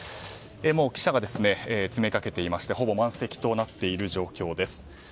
もう記者が詰めかけていましてほぼ満席となっている状況です。